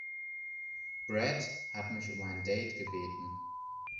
Brad hat mich um ein Date gebeten.